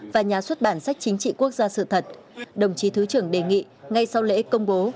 và nhà xuất bản sách chính trị quốc gia sự thật đồng chí thứ trưởng đề nghị ngay sau lễ công bố